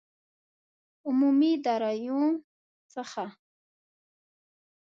عمومي داراییو څخه دي.